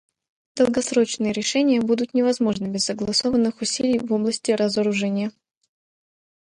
Долгосрочные решения будут невозможны без согласованных усилий в области разоружения.